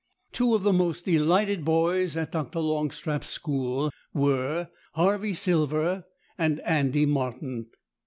Two of the most delighted boys at Dr. Longstrap's school were Harvey Silver and Andy Martin.